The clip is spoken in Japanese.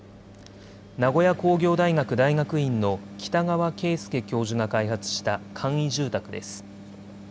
名古屋工業大学大学院の北川啓介教授が開発した簡易住宅です。